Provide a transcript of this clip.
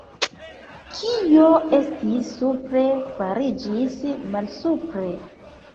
Kio estis supre, fariĝis malsupre!